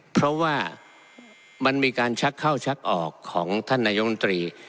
เพราะว่ามันมีการชักเข้าชักออกของท่านนายกรรมตรี